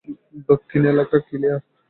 দক্ষিণ এলাকা ক্লিয়ার?